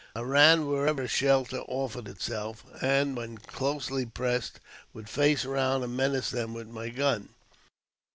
I ran wherever a shelter offered itself ; and, w^hen closely pressed, would face round and menace them with my guns.